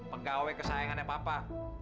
pegawai kesayangannya papa